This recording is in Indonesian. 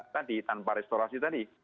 tadi tanpa restorasi tadi